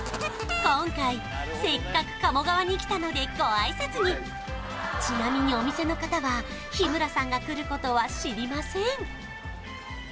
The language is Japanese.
今回せっかく鴨川に来たのでご挨拶にちなみにお店の方は日村さんが来ることは知りません